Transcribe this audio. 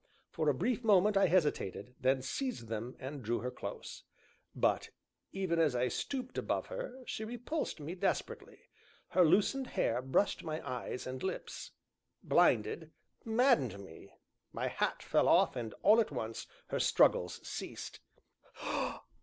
For a brief moment I hesitated, then seized them, and, drew her close. But, even as I stooped above her, she repulsed me desperately; her loosened hair brushed my eyes and lips blinded, maddened me; my hat fell off, and all at once her struggles ceased.